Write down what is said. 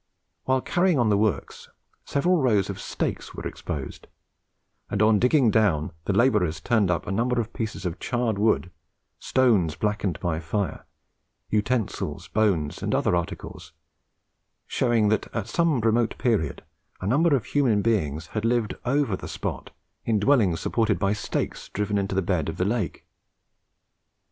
While carrying on the works, several rows of stakes were exposed; and on digging down, the labourers turned up a number of pieces of charred wood, stones blackened by fire, utensils, bones, and other articles, showing that at some remote period, a number of human beings had lived over the spot, in dwellings supported by stakes driven into the bed of the lake.